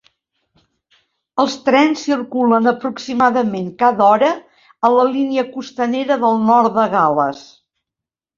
Els trens circulen aproximadament cada hora a la Línia Costanera del Nord de Gales.